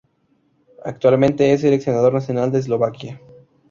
Actualmente es seleccionador nacional de Eslovaquia.